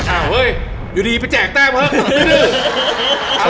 อ้าวเฮ้ยอยู่ดีไปแจกแต้มเถอะ